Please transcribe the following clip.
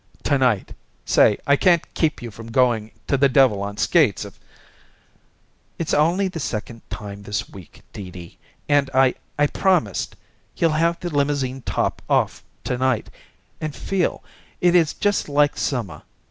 "To night. Say, I can't keep you from going to the devil on skates if " "It's only the second time this week, Dee Dee, and I I promised. He'll have the limousine top off to night and feel, it is just like summer.